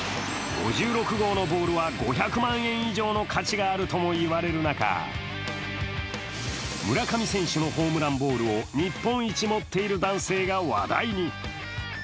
５６号のボールは５００万円以上の価値があるとも言われる中、村上選手のホームランボールを日本一持っている男性が話題に。